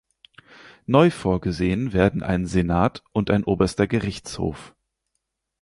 Neu vorgesehen werden ein Senat und ein Oberster Gerichtshof.